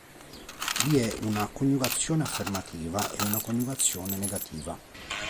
Vi è una coniugazione affermativa e una coniugazione negativa.